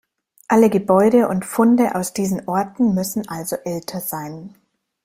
Alle Gebäude und Funde aus diesen Orten müssen also älter sein.